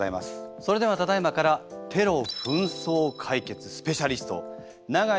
それではただ今からテロ・紛争解決スペシャリスト永井